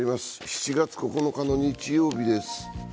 ７月９日の日曜日です。